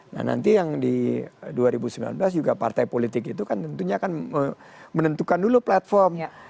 nah nanti yang di dua ribu sembilan belas juga partai politik itu kan tentunya akan menentukan dulu platform